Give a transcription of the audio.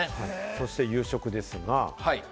そして夕食ですが。